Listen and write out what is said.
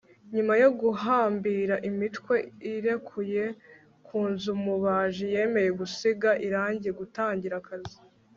Nyuma yo guhambira imitwe irekuye ku nzu umubaji yemeye gusiga irangi gutangira akazi